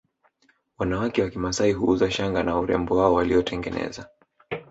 Wanawake wa kimasai huuza shanga na urembo wao waliotengeneza